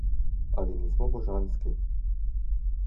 Ali nismo božanski?